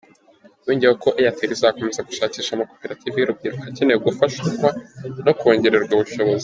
Yongeyeho ko Airtel izakomeza gushakisha amakoperative y’urubyiruko akenewe gufashwa no kongererwa ubushobozi.